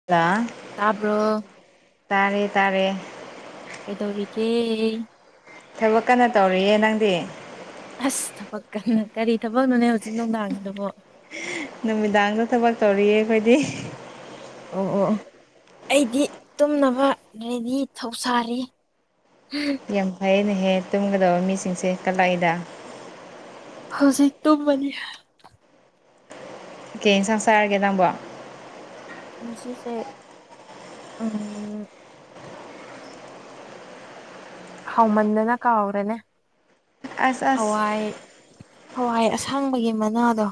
[unintelligible] ꯇꯥꯕ꯭ꯔꯣ ꯇꯥꯔꯦ ꯇꯥꯔꯦ ꯀꯩꯗꯧꯔꯤꯒꯦ ꯊꯕꯛ ꯀꯟꯅ ꯇꯧꯔꯤꯌꯦ ꯅꯪꯗꯤ ꯑꯁ ꯊꯕꯛ ꯀꯟꯅ ꯀꯔꯤ ꯊꯕꯛꯅꯣꯅꯦ ꯍꯧꯖꯤꯛ ꯅꯨꯡꯗꯥꯡ ꯁꯤꯗꯕꯣ ꯅꯨꯃꯤꯗꯥꯡꯗ ꯊꯕꯛ ꯇꯧꯔꯤꯌꯦ ꯑꯩꯈꯣꯏꯗꯤ ꯑꯣ ꯑꯣ ꯑꯩꯗꯤ ꯇꯨꯝꯅꯕ ꯔꯦꯗꯤ ꯊꯧꯁꯥꯔꯤ [inaudible] ꯌꯥꯝ ꯐꯩꯏꯅꯦꯍꯦ ꯇꯨꯝꯒꯗꯕ ꯃꯤꯁꯤꯡꯁꯦ ꯀꯠꯂꯛꯏꯗ ꯍꯧꯖꯤꯛ ꯇꯨꯝꯃꯅꯤ ꯀꯩ ꯍꯦꯟꯁꯥꯡ ꯆꯥꯔꯒꯦ ꯅꯪꯕꯣ ꯉꯁꯤꯁꯦ ꯎꯝ ꯍꯥꯎꯃꯟꯗꯅ ꯀꯥꯎꯒ꯭ꯔꯦꯗ ꯑꯁ ꯑꯁ ꯍꯋꯥꯏ ꯍꯋꯥꯏ ꯑꯁꯥꯡꯕꯒꯤ ꯃꯅꯥꯗꯣ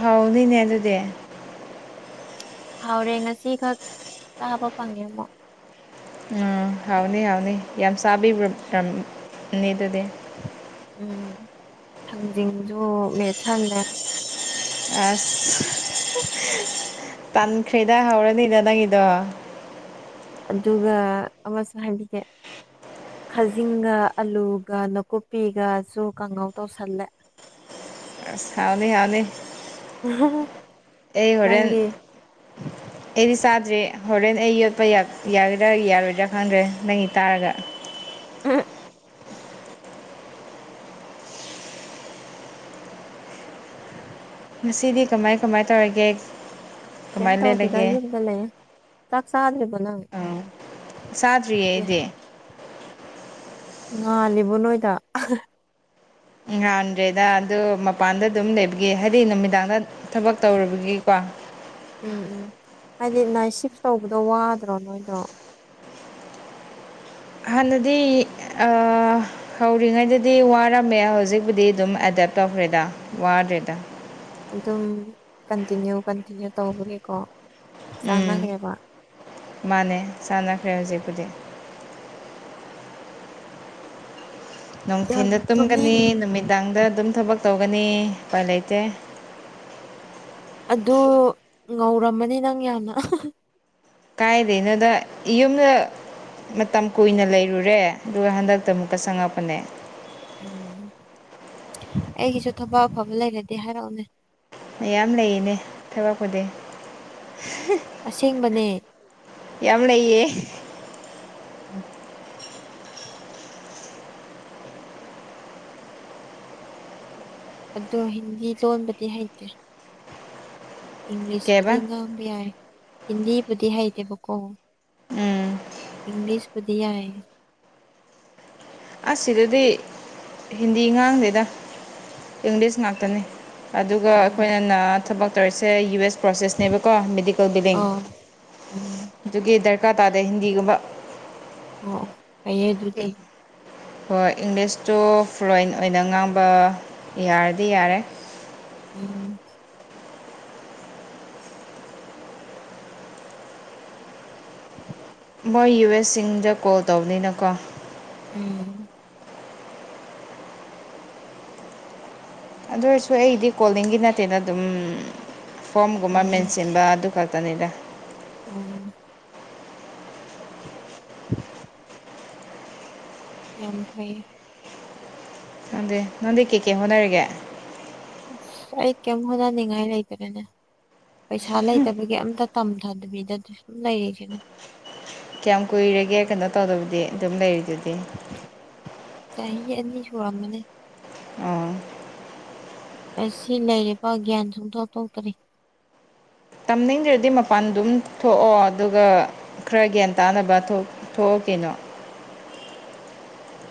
ꯍꯥꯎꯕꯅꯤꯅꯦ ꯑꯗꯨꯗꯤ ꯍꯥꯎꯔꯦ ꯉꯁꯤ ꯈꯛ ꯇꯥꯕ ꯐꯪꯉꯦ ꯑꯃꯨꯛ ꯎꯝ ꯍꯥꯎꯅꯤ ꯍꯥꯎꯅꯤ ꯌꯥꯝ ꯆꯥꯕꯤꯕ꯭ꯔ [inaudible] ꯑꯗꯨꯗꯤ ꯎꯝ ꯊꯡꯖꯤꯡꯖꯨ ꯃꯦꯠꯁꯜꯂꯦ ꯑꯁ ꯇꯟꯈ꯭ꯔꯦꯗ ꯍꯧꯔꯅꯤꯗ ꯅꯪꯒꯤꯗꯣ ꯑꯗꯨꯒ ꯑꯃꯁꯨ ꯍꯥꯏꯕꯤꯒꯦ ꯈꯖꯤꯡꯒ ꯑꯥꯂꯨꯒ ꯅꯥꯀꯨꯞꯄꯤꯒꯁꯨ ꯀꯥꯡꯍꯧ ꯇꯧꯁꯜꯂꯦ ꯑꯁ ꯍꯥꯎꯅꯤ ꯍꯥꯎꯅꯤ [unintelligible] ꯑꯩ ꯍꯣꯔꯦꯟ ꯅꯪꯗꯤ ꯑꯩꯗꯤ ꯆꯥꯗ꯭ꯔꯦ ꯍꯣꯔꯦꯟ ꯑꯩ ꯌꯣꯠꯄ ꯌꯥꯒꯗ꯭ꯔꯥ ꯌꯥꯔꯣꯏꯗ꯭ꯔꯥ ꯈꯪꯗ꯭ꯔꯦ ꯅꯪꯒꯤ ꯇꯥꯔꯒ ꯑ ꯉꯁꯤꯗꯤ ꯀꯃꯥꯏ ꯀꯃꯥꯏ ꯇꯧꯔꯒꯦ ꯀꯝ ꯀꯃꯥꯏꯅ ꯇ ꯍꯗꯗ ꯂꯦꯜꯂꯒꯦ ꯌꯨꯒꯗ ꯂꯩꯦ ꯆꯥꯛ ꯆꯗ꯭ꯔꯤꯕꯨꯣ ꯅꯪ ꯑꯪ ꯆꯥꯗ꯭ꯔꯤꯌꯦ ꯑꯦ ꯑꯩꯗꯤ ꯉꯥꯜꯂꯤꯕ ꯅꯣꯏꯗ ꯉꯥꯟꯗ꯭ꯔꯦꯗ ꯑꯗꯨꯗ ꯃꯄꯥꯟꯗ ꯑꯗꯨꯝ ꯂꯩꯕꯤꯒ ꯍꯥꯏꯗꯤ ꯅꯨꯃꯤꯗꯥꯡꯗ ꯊꯕꯛ ꯇꯧꯔꯨꯕꯒꯤꯀꯣ ꯎꯝ ꯎꯝ ꯍꯥꯏꯗꯤ ꯅꯥꯏꯠ ꯁꯤꯐ ꯇꯧꯕꯗꯣ ꯋꯥꯗ꯭ꯔꯣ ꯅꯣꯏꯗꯣ ꯍꯥꯟꯅꯗꯤ ꯑ ꯍꯧꯔꯤꯉꯩꯗꯗꯤ ꯋꯥꯔꯝꯃꯦ ꯍꯧꯖꯤꯛꯄꯨꯗꯤ ꯑꯗꯨꯝ ꯑꯦꯗꯥꯞ ꯇꯧꯈ꯭ꯔꯦꯗ ꯋꯥꯗ꯭ꯔꯦꯗ ꯑꯗꯨꯝ ꯀꯟꯇꯤꯅ꯭ꯌꯨ ꯀꯟꯇꯤꯅ꯭ꯌꯨ ꯇꯧꯕꯒꯤꯀꯣ ꯆꯥꯟꯅꯈ꯭ꯔꯦꯕ ꯎꯝ ꯃꯥꯟꯅꯦ ꯆꯥꯟꯅꯈ꯭ꯔꯦ ꯍꯧꯖꯤꯛꯄꯨꯗꯤ ꯌꯥꯝ ꯅꯨꯡꯊꯤꯟꯗ ꯇꯨꯝꯅꯤꯡ ꯇꯨꯝꯒꯅꯤ ꯅꯨꯃꯤꯗꯥꯡꯗ ꯑꯗꯨꯝ ꯊꯕꯛ ꯇꯧꯒꯅꯤ ꯎꯄꯥꯏ ꯂꯩꯇꯦ ꯑꯗꯨ ꯉꯧꯔꯝꯃꯅꯤ ꯅꯪ ꯌꯥꯝꯅ [unintelligible] ꯀꯥꯏꯗꯅꯣꯗ ꯌꯨꯝꯗ ꯃꯇꯝ ꯀꯨꯏꯅ ꯂꯩꯔꯨꯔꯦ ꯑꯗꯨꯒ ꯍꯟꯗꯛꯇ ꯑꯃꯨꯛꯀ ꯆꯪꯉꯛꯄꯅꯦ ꯎꯝ ꯑꯩꯒꯤꯁꯨ ꯊꯕꯛ ꯑꯐꯕ ꯂꯩꯔꯗꯤ ꯍꯥꯏꯔꯛꯎꯅꯦ ꯃꯌꯥꯝ ꯂꯩꯔꯤꯅꯦ ꯊꯕꯛꯄꯨꯗꯤ ꯑꯁꯦꯡꯕꯅꯦ ꯌꯥꯝꯅꯦ ꯑꯗꯣ ꯍꯤꯟꯗꯤ ꯂꯣꯟꯕꯗꯤ ꯍꯩꯇꯦ ꯏꯪꯂꯤꯁꯄꯨꯗꯤ ꯀꯩꯕ ꯉꯥꯡꯕ ꯌꯥꯏ ꯍꯤꯟꯗꯤꯕꯨꯗꯤ ꯍꯩꯇꯦꯕꯀꯣ ꯎꯝ ꯏꯪꯂꯤꯁꯕꯨꯗꯤ ꯌꯥꯢ ꯑꯁ ꯁꯤꯗꯗꯤ ꯍꯤꯟꯗꯤ ꯉꯥꯡꯗꯦꯗ ꯏꯪꯂꯤꯁ ꯉꯥꯛꯇꯅꯤ ꯑꯗꯨꯒ ꯎꯝ ꯑꯩꯈꯣꯏꯅꯅ ꯊꯕꯛ ꯇꯧꯔꯤꯁꯦ ꯌꯨ ꯑꯦꯁ ꯄ꯭ꯔꯣꯁꯦꯁꯅꯦꯕꯀꯣ ꯃꯦꯗꯤꯀꯦꯜ ꯕꯤꯂꯤꯡ ꯑꯥꯎ ꯎꯝ ꯑꯗꯨꯒꯤ ꯗꯔꯀꯥꯔ ꯇꯥꯗꯦ ꯍꯤꯟꯗꯤꯒꯨꯝꯕ ꯑꯣ ꯐꯩꯌꯦ ꯑꯗꯨꯗꯤ ꯍꯣꯏ ꯏꯪꯂꯤꯁꯇꯨ ꯐ꯭ꯂꯨꯑꯦꯟꯠ ꯑꯣꯏꯅ ꯉꯥꯡꯕ ꯌꯥꯔꯗꯤ ꯌꯥꯔꯦ ꯎꯝ ꯃꯣꯏ ꯌꯨ ꯑꯦꯁꯁꯤꯡꯗ ꯀꯣꯜ ꯇꯧꯕꯅꯤꯅꯀꯣ ꯎꯝ ꯑꯗꯨ ꯑꯣꯏꯔꯁꯨ ꯑꯩꯗꯤ ꯀꯣꯂꯤꯡꯒꯤ ꯅꯠꯇꯦꯅ ꯑꯗꯨꯝ ꯐꯣꯝꯒꯨꯝꯕ ꯎꯝ ꯃꯦꯟꯁꯤꯟꯕ ꯑꯗꯨ ꯈꯛ ꯇꯅꯤꯗ ꯑꯣꯝ [inaudible] ꯐꯩ ꯅꯗꯗꯤ ꯅꯣꯟꯗꯤ ꯀꯦ ꯀꯦ ꯍꯣꯅꯔꯒ ꯑꯁ ꯑꯩ ꯀꯩꯝ ꯍꯣꯠꯅꯅꯤꯡꯉꯥꯏ ꯂꯩꯗꯅꯅꯦ ꯄꯩꯁꯥ ꯂꯩꯇꯕꯒꯤ ꯑꯝꯇ ꯇꯝꯗ ꯊꯗ ꯄꯤꯖꯗꯤ ꯁ ꯂꯩꯔ ꯀꯅꯤ ꯀꯌꯥꯝ ꯀꯨꯏꯔꯒꯦ ꯀꯩꯅꯣ ꯇꯧꯗꯕꯗꯤ ꯑꯗꯨꯝ ꯂꯩꯔꯤꯗꯨꯗꯤ ꯆꯍꯤ ꯆꯍꯤꯅꯤ ꯁꯣꯔ ꯃꯅꯦ ꯑꯥ ꯑꯁꯤ ꯂꯩꯔꯤꯕ ꯒ꯭ꯌꯥꯟ ꯁꯨꯡꯇꯣꯛ ꯊꯣꯛꯇꯔꯤ ꯇꯝꯅꯤꯡꯗ꯭ꯔꯗꯤ ꯃꯄꯥꯟ ꯑꯗꯨꯝ ꯊꯣꯛꯑꯣ ꯑꯗꯨꯒ ꯈꯔ ꯒ꯭ꯌꯥꯟ ꯇꯥꯅꯕ ꯊꯣꯛ ꯊꯣꯛꯑꯣ ꯀꯩꯅꯣ꯫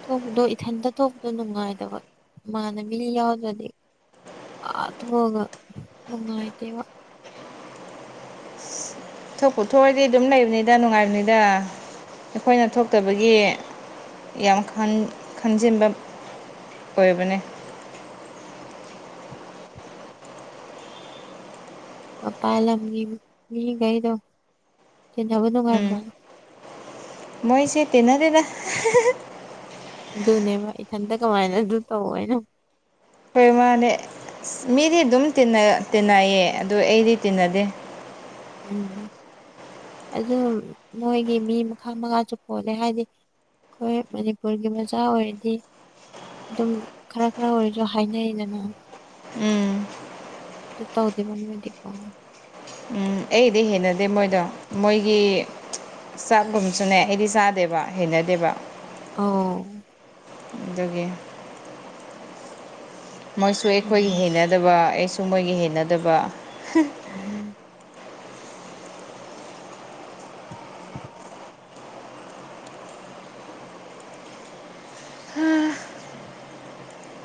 ꯊꯣꯛꯄꯗꯣ ꯏꯊꯟꯇ ꯊꯣꯛꯄꯗꯣ ꯅꯨꯡꯉꯥꯏꯗꯕ ꯏꯃꯅꯕꯤ ꯌꯥꯎꯗ꯭ꯔꯗꯤ꯫ ꯑꯥ ꯊꯣꯛꯑꯒ ꯅꯨꯡꯉꯥꯏꯇꯦꯕ꯫ ꯊꯣꯛꯄꯨ ꯊꯣꯛꯑꯗꯤ ꯑꯗꯨꯝ ꯂꯩꯕꯅꯤꯗ ꯅꯨꯡꯉꯥꯏꯕꯅꯤꯗ ꯑꯩꯈꯣꯏꯅ ꯊꯣꯛꯇꯕꯒꯤ꯫ ꯌꯥꯝ ꯈꯟ ꯈꯟꯖꯤꯟꯕ ꯑꯣꯏꯕꯅꯦ꯫ ꯃꯄꯥꯜꯂꯝꯒꯤ ꯃꯤ ꯈꯩꯗꯣ ꯇꯤꯟꯅꯕ ꯎꯝ ꯅꯨꯡꯉꯥꯏꯕ꯭ꯔꯣ꯫ ꯃꯣꯏꯁꯦ ꯇꯤꯟꯅꯗꯦꯗ꯫ ꯑꯗꯨꯅꯦꯕ ꯏꯊꯟꯇ ꯀꯃꯥꯏꯅ ꯑꯗꯨ ꯇꯧ ꯍꯥꯏꯅꯣ꯫ ꯍꯣꯏ ꯃꯥꯅꯦ ꯑꯁ ꯃꯤꯗꯤ ꯑꯗꯨꯝ ꯇꯤꯟꯅ ꯇꯤꯟꯅꯩꯌꯦ ꯑꯗꯨ ꯑꯩꯗꯤ ꯇꯤꯟꯅꯗꯦ꯫ ꯎꯝ ꯑꯗꯨ ꯃꯣꯏꯒꯤ ꯃꯤ ꯃꯈꯜ ꯃꯉꯥꯁꯨ ꯄꯣꯜꯂꯦ ꯍꯥꯏꯗꯤ꯫ ꯑꯩꯈꯣꯏ ꯃꯅꯤꯄꯨꯔꯒꯤ ꯃꯆꯥ ꯑꯣꯏꯔꯗꯤ꯫ ꯑꯗꯨꯝ ꯈꯔ ꯈꯔ ꯑꯣꯏꯔꯁꯨ ꯍꯥꯏꯅꯩꯗꯅ ꯎꯝ ꯇꯧꯗꯦꯕ ꯃꯣꯏꯗꯤꯀꯣ ꯑꯩꯗꯤ ꯍꯩꯅꯗꯦ ꯃꯣꯏꯗꯣ ꯃꯣꯏꯒꯤ ꯆꯥꯛꯒꯨꯝꯁꯨꯅꯦ ꯑꯩꯗꯤ ꯆꯥꯗꯦꯕ ꯍꯩꯅꯗꯦꯕ ꯑꯧ ꯑꯗꯨꯒꯤ ꯃꯣꯏꯁꯨ ꯑꯩꯈꯣꯏꯒꯤ ꯎꯝ ꯍꯩꯅꯗꯕ ꯑꯩꯁꯨ ꯃꯣꯏꯒꯤ ꯍꯩꯅꯗꯕ ꯎꯝ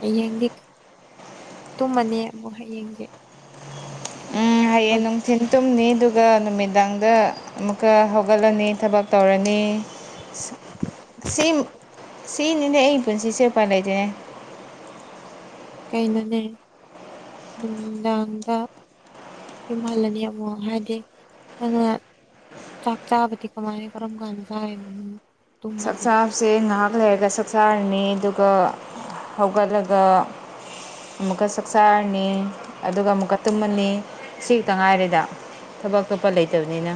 ꯍꯌꯦꯡꯗꯤ ꯇꯨꯝꯃꯅꯤ ꯑꯃꯨꯛ ꯍꯌꯦꯡꯗꯤ ꯎꯝ ꯍꯌꯦꯡ ꯅꯨꯡꯊꯤꯟ ꯇꯨꯝꯅꯤ ꯑꯗꯨꯒ ꯅꯨꯃꯤꯗꯥꯡꯗ ꯑꯃꯨꯛꯀ ꯍꯧꯒꯠꯂꯅꯤ ꯊꯕꯛ ꯇꯧꯔꯅꯤ꯫ ꯑꯁꯤꯝ ꯁꯤꯅꯤꯅꯦ ꯑꯩ ꯄꯨꯟꯁꯤꯁꯦ ꯎꯄꯥꯏ ꯂꯩꯇꯦꯅꯦ꯫ ꯀꯩꯅꯣꯅꯦ ꯅꯨꯡꯗꯥꯡꯗ꯫ ꯌꯨꯝꯍꯜꯂꯅꯤ ꯑꯃꯨꯛ ꯍꯥꯏꯗꯤ ꯅꯪꯅ꯫ ꯆꯥꯛ ꯆꯥꯕꯗꯤ ꯀꯃꯥꯏꯅ ꯀꯔꯝ ꯀꯥꯟꯗ ꯆꯥꯔꯤꯅꯣ꯫ ꯆꯥꯛ ꯇꯨꯝꯃꯗꯤ ꯆꯥꯕ꯫ ꯁꯦ ꯉꯥꯏꯍꯥꯛ ꯂꯩꯔꯒ ꯆꯥꯛꯆꯥꯔꯅꯤ ꯑꯗꯨꯒ ꯍꯧꯒꯠꯂꯒ꯫ ꯑꯃꯨꯛꯀ ꯆꯥꯛꯆꯥꯥꯔꯅꯤ ꯑꯗꯨꯒ ꯑꯃꯨꯛꯀ ꯇꯨꯝꯃꯅꯤ ꯁꯤ ꯈꯛꯇ ꯉꯥꯏꯔꯦꯗ꯫ ꯊꯕꯛ ꯑꯇꯣꯞꯄ ꯂꯩꯇꯕꯅꯤꯅ꯫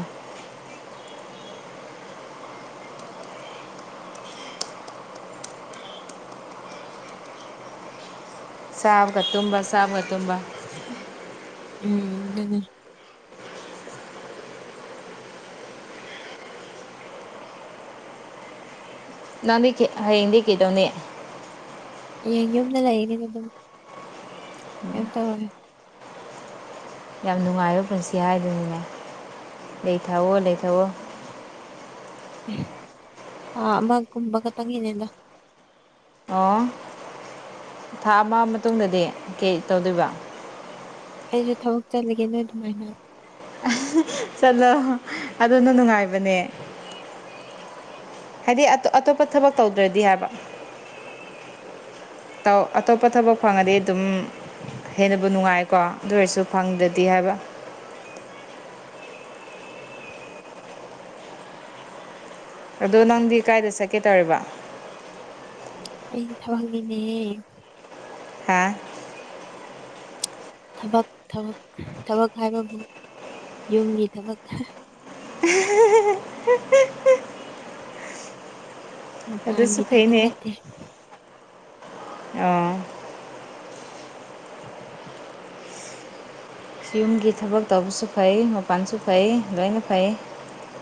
ꯆꯥꯕꯒ ꯇꯨꯝꯕ ꯆꯥꯕꯒ ꯇꯨꯝꯕ꯫ ꯎꯝ ꯗꯨꯅꯤ꯫ ꯅꯗꯤ ꯍꯌꯦꯡꯗꯤ ꯀꯩꯗꯧꯅꯤ ꯫ ꯍꯌꯦꯡ ꯌꯨꯝꯗ ꯂꯩꯅꯤꯅ ꯑꯗꯨꯝ ꯀꯩꯝ ꯇꯧꯔꯦ꯫ ꯌꯥꯝ ꯅꯨꯡꯉꯥꯏꯕ ꯄꯨꯟꯁꯤ ꯍꯥꯏꯗꯨꯅꯤꯅꯦ ꯂꯩ ꯊꯛꯑꯣ ꯂꯩ ꯊꯛꯑꯣ꯫ ꯊꯥ ꯑꯃꯒꯨꯝꯕ ꯈꯇꯪꯒꯤꯅꯦꯗ꯫ ꯑꯣ ꯊꯥ ꯑꯃ ꯃꯇꯨꯡꯗꯗꯤ ꯀꯩ ꯇꯧꯗꯣꯏꯕ꯫ ꯑꯩꯁꯨ ꯊꯕꯛ ꯆꯠꯂꯒꯦ ꯅꯣꯏ ꯑꯗꯨꯃꯥꯏꯅ꯫ ꯆꯠꯂꯣ ꯑꯗꯨꯅ ꯅꯨꯡꯉꯥꯏꯕꯅꯦ꯫ ꯍꯥꯏꯗꯤ ꯑꯇꯣꯞꯄ ꯊꯕꯛ ꯇꯧꯗ꯭ꯔꯗꯤ ꯍꯥꯏꯕ꯫ ꯇꯧ ꯑꯇꯣꯞꯄ ꯊꯕꯛ ꯐꯪꯉꯗꯤ ꯑꯗꯨꯝ꯫ ꯍꯦꯟꯅꯕꯨ ꯅꯨꯡꯉꯥꯏꯀꯣ ꯑꯗꯨ ꯑꯣꯏꯔꯁꯨ ꯐꯪꯗ꯭ꯔꯗꯤ ꯍꯥꯏꯕ꯫ ꯑꯗꯣ ꯅꯪꯗꯤ ꯀꯥꯏꯗ ꯆꯠꯀꯦ ꯇꯧꯔꯤꯕ꯫ ꯑꯩꯗꯤ ꯊꯕꯛꯅꯤꯅꯦ ꯍꯦ꯫ ꯍꯥ꯫ ꯊꯕꯛ ꯊꯕꯛ ꯊꯕꯛ ꯍꯥꯏꯕꯕꯨ ꯌꯨꯝꯒꯤ ꯊꯕꯛ꯫ [unintelligible] ꯃꯄꯥꯥꯟꯒꯤ ꯊꯕꯛ ꯅꯠꯇꯦ꯫ ꯑꯎ꯫ ꯌꯨꯝꯒꯤ ꯊꯕꯛ ꯇꯧꯕꯁꯨ ꯐꯩ ꯃꯄꯥꯟꯁꯨ ꯐꯩ ꯂꯣꯏꯅ ꯐꯩ꯫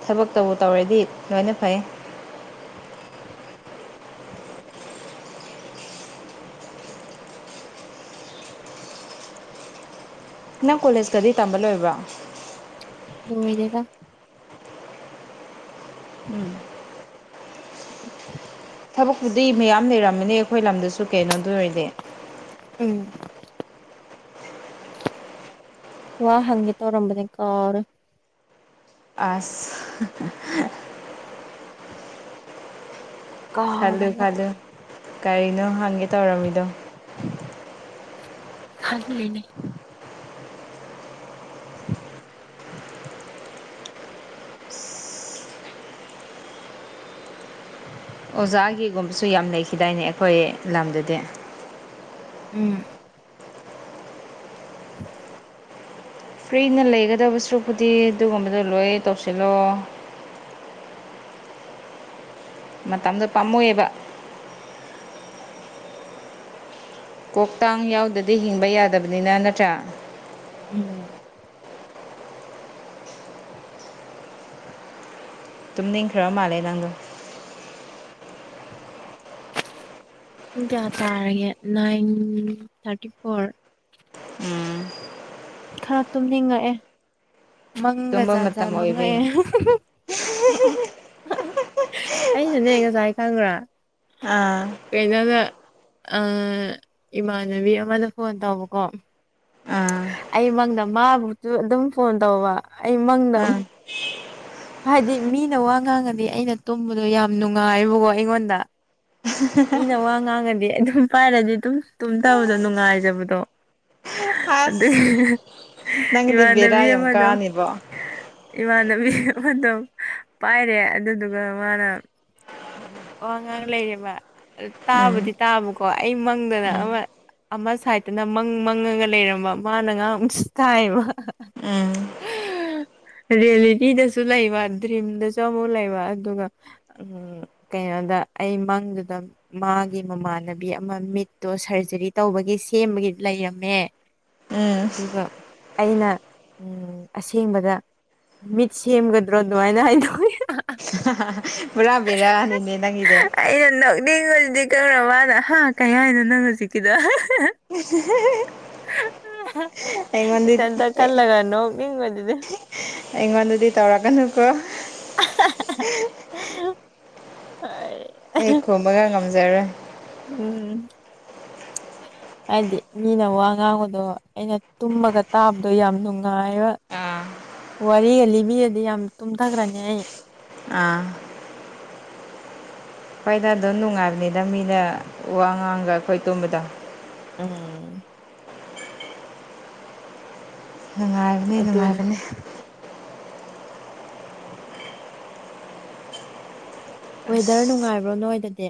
ꯊꯕꯛ ꯇꯧꯕꯨ ꯇꯧꯔꯗꯤ ꯂꯣꯏꯅ ꯐꯩ꯫ ꯅꯪ ꯀꯣꯂꯦꯖꯀꯗꯤ ꯇꯝꯕ ꯂꯣꯏꯕ꯭ꯔꯣ꯫ ꯂ ꯑꯣꯏꯗꯒ ꯎꯝ ꯊꯕꯛꯄꯨꯗꯤ ꯃꯌꯥꯝ ꯂꯩꯔꯝꯃꯅꯤ ꯑꯩꯈꯣꯏ ꯂꯝꯗꯁꯨ ꯀꯩꯅꯣꯗ ꯑꯣꯏꯔꯗꯤ ꯎꯝ ꯋꯥ ꯍꯪꯒꯦ ꯇꯧꯔꯝꯕꯅꯦ ꯀꯔ ꯑꯁ ꯈꯜꯂꯨ ꯀꯥꯎꯔꯦꯕ ꯈꯜꯂꯨ ꯀꯒꯥꯔꯤꯅꯣ ꯍꯪꯒꯦ ꯇꯧꯔꯝꯃꯤꯗꯣ ꯈꯜ ꯂꯩꯅꯦ [unintelligible] ꯑꯣꯖꯥꯒꯤꯒꯨꯝꯕꯁꯨ ꯌꯥꯝ ꯂꯩꯈꯤꯗꯥꯏꯅꯦ ꯑꯩꯈꯣꯏ ꯂꯝꯗꯗꯤ꯫ ꯎꯝ꯫ ꯎ꯫ ꯐ꯭ꯔꯤꯅ ꯂꯩꯒꯗꯕ ꯁꯔꯨꯄꯨꯗꯤ ꯑꯗꯨꯒꯨꯝꯕꯗꯣ ꯂꯣꯏ ꯇꯧꯁꯤꯜꯂꯣ꯫ ꯃꯇꯝꯗꯣ ꯄꯥꯝꯃꯣꯏꯑꯕ꯫ ꯀꯣꯛꯇꯥꯡ ꯌꯥꯎꯗꯗꯤ ꯍꯤꯡꯕ ꯌꯥꯗꯕꯅꯤꯅ ꯅꯠꯇ꯭ꯔꯥ꯫ ꯎꯝ꯫ ꯇꯨꯃꯤꯗꯤ ꯈ꯭ꯔꯔ ꯃꯥꯂꯦ ꯅꯪ ꯄꯨꯡ ꯀꯌꯥ ꯇꯥꯔꯒꯦ ꯅꯥꯏꯟ ꯊꯥꯔꯇꯤ ꯐꯣꯔ ꯎꯝ ꯈꯔ ꯇꯨꯝꯅꯤꯡꯉꯛꯑꯦ ꯇꯨꯝꯕ ꯃꯪꯖꯥꯖꯔ ꯃꯇꯝ ꯃꯉ ꯑꯣꯏꯕꯩꯅꯦ ꯑꯩꯁꯨꯅꯦ ꯉꯁꯥꯏ ꯈꯪꯈ꯭ꯔꯥ ꯑꯥ ꯀꯩꯅꯣꯗ ꯏꯃꯥꯟꯅꯕꯤ ꯑꯃꯗ ꯐꯣꯟ ꯇꯧꯕꯀꯣ ꯑꯥ ꯑꯩ ꯃꯪꯗ ꯃꯥꯕꯨ ꯑꯗꯨꯝ ꯐꯣꯟ ꯇꯧꯕ ꯑꯩ ꯃꯪꯗ ꯑꯥ ꯍꯥꯏꯗꯤ ꯃꯤꯅ ꯋꯥ ꯉꯥꯡꯉꯗꯤ ꯑꯩꯅ ꯇꯨꯝꯕꯗꯣ ꯌꯥꯝ ꯅꯨꯡꯉꯥꯏꯕꯀꯣ ꯑꯩꯉꯣꯟꯗ ꯃꯤꯅ ꯋꯥ ꯉꯥꯡꯉꯗꯤ ꯑꯗꯨꯝ ꯄꯥꯏꯔꯗꯤ ꯇꯨꯝ ꯇꯕꯗꯣ ꯅꯨꯡꯉꯥꯏꯖꯕꯗꯣ ꯑꯁ ꯑꯗ ꯅꯪꯒꯤꯗꯤ ꯏꯃꯥꯟꯅꯕꯤ ꯕꯦꯔꯥ ꯌꯥꯝ ꯑꯃꯗ ꯀꯥꯅꯤꯕꯣ ꯏꯃꯥꯟꯅꯕꯤ ꯑꯃꯗꯣ ꯄꯥꯏꯔꯦ ꯑꯗꯨꯗꯨꯒ ꯃꯥꯅ ꯎꯝ ꯋꯥꯉꯥꯡ ꯂꯩꯔꯦꯕ ꯎꯝ ꯇꯥꯕꯗꯤ ꯇꯥꯕꯀꯣ ꯑꯩ ꯃꯪꯗꯅ ꯎꯝ ꯑꯃ ꯑꯃ ꯁꯥꯏꯠꯇꯅ ꯃꯪ ꯃꯪꯉꯒ ꯂꯩꯔꯝꯕ ꯃꯥꯅ ꯉꯥꯏꯍꯥꯛ ꯊꯥꯏꯕ ꯎꯝ ꯔꯌꯦꯂꯤꯇꯤꯗ ꯁꯨ ꯂꯩꯕ ꯗ꯭ꯔꯤꯝꯗ ꯆꯃꯨ ꯂꯩꯕ ꯑꯗꯨꯒ ꯎꯝ ꯀꯩꯅꯣꯗ ꯑꯩꯃꯪꯗꯨꯗ ꯃꯥꯒꯤ ꯃꯃꯥꯟꯅꯕꯤ ꯑꯃ ꯃꯤꯠꯇꯣ ꯁꯔꯖꯔꯤ ꯇꯧꯕꯒꯤ ꯁꯦꯝꯕꯒꯤ ꯂꯩꯔꯝꯃꯦ [unintelligible] ꯑꯗꯨꯒ ꯑꯩꯅ ꯑꯁꯦꯡꯕꯗ ꯃꯤꯠꯁ ꯁꯦꯝꯦꯝꯒꯗ꯭ꯔꯣ ꯑꯗꯨꯃꯥꯏꯅ ꯍꯥꯏꯅ ꯄꯨꯔꯥꯕꯕꯤꯔꯅꯤꯅꯦ ꯅꯪꯗ ꯑꯩꯅ ꯅꯛꯅꯤꯡ ꯍꯧꯖꯤꯛ ꯀꯧꯔꯕꯅ ꯀꯩ ꯍꯥꯏꯅꯣ ꯅꯪ ꯍꯧꯖꯤꯛꯀꯤꯗꯣ [unintelligible] ꯑꯩꯉꯣꯟꯗꯤ ꯏꯊꯟꯇ ꯀꯜꯂꯒꯅꯨ ꯅꯤꯡꯕꯗꯨꯗꯤ ꯑꯩꯉꯣꯟꯗꯗꯤ ꯇꯧꯔꯛꯀꯅꯨꯀꯣ [unintelligible] [unintelligible] ꯍ [unintelligible] ꯑꯩ ꯈꯨꯝꯕꯒ ꯉꯝꯖꯔꯣꯏ ꯎꯝ ꯍꯥꯏꯗꯤ ꯃꯤꯅ ꯋꯥ ꯉꯥꯡꯕꯗꯣ ꯑꯩꯅ ꯇꯨꯝꯃꯒ ꯇꯥꯕꯗꯣ ꯌꯥꯝ ꯅꯨꯡꯉꯥꯏꯔꯣꯏ ꯑꯥ ꯋꯥꯔꯤꯒ ꯂꯤꯕꯤꯔꯗꯤ ꯌꯥꯝ ꯇꯨꯝꯊꯈ꯭ꯔꯅꯤ ꯑꯩ ꯑꯥ ꯍꯣꯏꯗ ꯑꯗꯨꯝ ꯅꯨꯡꯉꯥꯏꯕꯅꯤꯗ ꯃꯤꯅ ꯋꯥ ꯉꯥꯡꯒ ꯑꯩꯈꯣꯏ ꯇꯨꯝꯕꯗꯣ ꯑꯥ ꯅꯨꯡꯉꯥꯏꯕꯅꯤ ꯑꯗꯨꯅꯦ ꯅꯨꯡꯉꯥꯏꯕꯅꯤ ꯋꯦꯗꯔ ꯅꯨꯡꯉꯥꯏꯕ꯭ꯔꯣ ꯅꯣꯏꯗꯗꯤ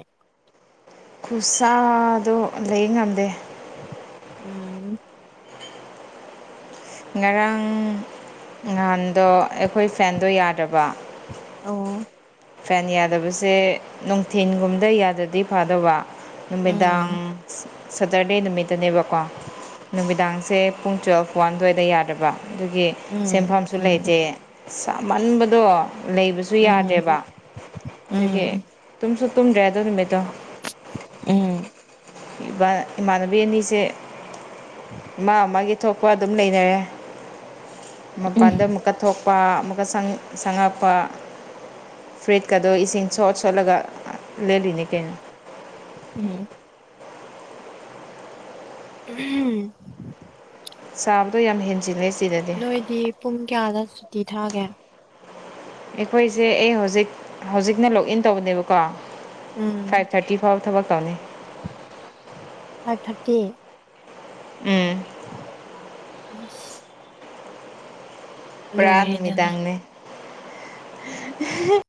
ꯈꯨꯠꯁꯥꯗꯣ ꯂꯩ ꯉꯝꯗꯦ ꯎꯝ ꯉꯔꯥꯡ ꯅꯍꯥꯟꯗꯣ ꯑꯩꯈꯣꯏ ꯐꯦꯟꯗꯣ ꯌꯥꯗꯕ ꯑꯣ ꯐꯦꯟ ꯌꯥꯗꯕꯁꯦ ꯅꯨꯡꯊꯤꯟꯒꯨꯝꯗ ꯌꯥꯗꯗꯤ ꯐꯥꯗꯕ ꯅꯨꯃꯤꯗꯥꯡ ꯎꯝ ꯁꯇꯔꯗꯦ ꯅꯨꯃꯤꯠꯇꯅꯦꯕꯀꯣ ꯅꯨꯃꯤꯗꯥꯡꯁꯦ ꯄꯨꯡ ꯇꯨꯌꯦꯜꯐ ꯋꯥꯟ ꯇ꯭ ꯌꯥꯗꯕ ꯑꯗꯨꯒꯤ ꯎꯝ ꯁꯦꯟꯐꯝꯁꯨ ꯎꯝ ꯂꯩꯇꯦꯃꯟꯕꯗꯣ ꯂꯩ ꯎꯝ ꯖꯨꯌꯥ ꯗꯦꯕ ꯑꯗꯒꯤ ꯎꯝ ꯇꯨꯨꯝꯁꯨ ꯇꯨꯝ ꯌꯥꯗ ꯊꯃꯗ ꯎꯝ ꯏꯃꯥꯟꯅꯕꯤ ꯑꯅꯤꯁꯦ ꯏꯃꯥ ꯃꯥꯒꯤ ꯊꯣꯛꯄ ꯑꯗꯨꯝ ꯂꯩ ꯂꯩꯔꯦ ꯃꯄꯥꯟꯗ ꯎꯝ ꯑꯃꯨꯛꯀ ꯊꯣꯛꯣꯛ ꯑꯃꯨꯛꯀ ꯁꯪꯉꯛꯄ ꯐ꯭ꯔꯤꯠꯀꯗꯣ ꯏꯁꯤꯡ ꯁꯣꯠ ꯁꯣꯠꯂꯒ ꯂꯦꯜꯂꯤꯅꯤ ꯀꯩꯅꯣ ꯎꯝ ꯎꯝ ꯆꯥꯕꯗꯣ ꯌꯥꯝ ꯍꯦꯟꯖꯤꯜꯂꯦ ꯁꯤꯗꯗꯤ ꯅꯣꯏꯗꯤ ꯄꯨꯡ ꯀꯌꯥꯗ ꯁꯨꯇꯤ ꯊꯥꯒꯦ ꯑꯩꯈꯣꯏꯁꯦ ꯑꯩ ꯍꯧꯖꯤꯛ ꯍꯧꯖꯤꯛꯅ ꯂꯣꯛꯏꯟ ꯇꯧꯕꯅꯦꯕꯀꯣ ꯐꯥꯏꯞ ꯎꯝ ꯊꯔꯇꯤ ꯐꯥꯎ ꯊꯕꯛ ꯇꯧꯅꯤ ꯐꯥꯏꯞ ꯊꯔꯇꯤ ꯎꯝ ꯑꯁ ꯄꯨꯔꯥ ꯂꯣꯏꯔꯦꯗꯅ ꯅꯨꯃꯤꯗꯥꯡꯅꯦ